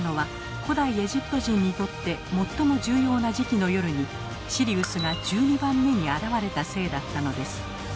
古代エジプト人にとって最も重要な時期の夜にシリウスが１２番目に現れたせいだったのです。